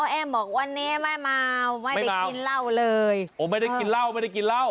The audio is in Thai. อ้อแอร์บอกวันนี้ไม่เมาไม่ได้กินเหล้าเลย